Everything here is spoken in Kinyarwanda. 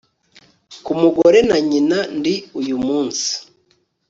ku mugore na nyina ndi uyu munsi